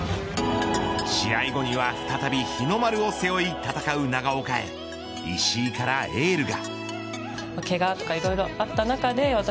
試合後には再び日の丸を背負い戦う長岡へ石井からエールが。